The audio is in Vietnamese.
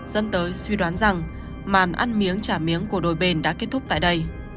dân tới suy đoán rằng màn ăn miếng trả miếng của đôi bên đã kết thúc tại đây